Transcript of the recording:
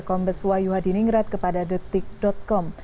kombes wahyu hadiningrat kepada detik com